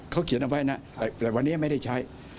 เขาเขียนเอาไว้นะแต่วันนี้ไม่ได้ใช้